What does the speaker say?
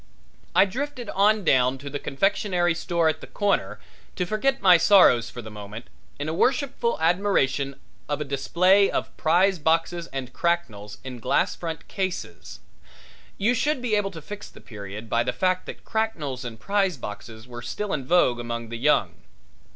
I drifted on down to the confectionery store at the corner to forget my sorrows for the moment in a worshipful admiration of a display of prize boxes and cracknels in glass front cases you should be able to fix the period by the fact that cracknels and prize boxes were still in vogue among the young.